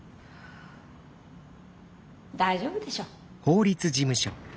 大丈夫でしょ。